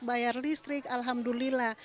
bayar listrik alhamdulillah